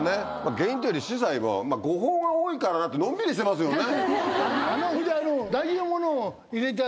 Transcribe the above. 原因っていうより司祭が「誤報が多いからな」ってのんびりしてますよね。